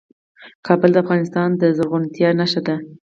کابل د افغانستان د زرغونتیا نښه ده.